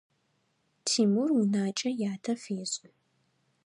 Тимур унакӏэ ятэ фешӏы.